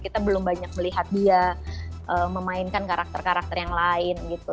kita belum banyak melihat dia memainkan karakter karakter yang lain gitu